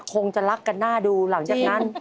คงจะรักกันหน้าดูหลังจากนั้น